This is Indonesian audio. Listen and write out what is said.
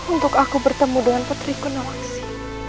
untuk aku bertemu dengan petri kunawaksi